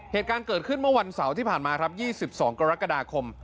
เหตุการณ์เกิดขึ้นเมื่อวันเสาร์ที่ผ่านมาครับ๒๒กรกฎาคม